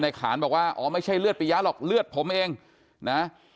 ขานบอกว่าอ๋อไม่ใช่เลือดปียะหรอกเลือดผมเองนะ